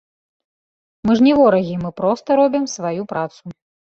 Мы ж не ворагі, мы проста робім сваю працу.